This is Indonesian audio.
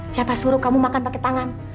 siapa suruh kamu makan pakai tangan